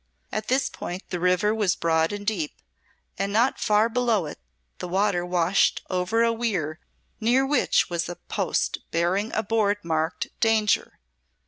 At this point the river was broad and deep, and not far below it the water washed over a weir near which was a post bearing a board marked "Danger!"